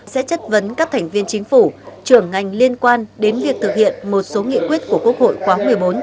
sẽ chất vấn các thành viên chính phủ trưởng ngành liên quan đến việc thực hiện một số nghị quyết của quốc hội khóa một mươi bốn